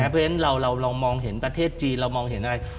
เพราะฉะนั้นเราลองมองเห็นประเทศจีนเรามองเห็นอะไร